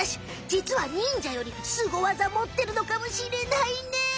じつは忍者よりスゴわざもってるのかもしれないね！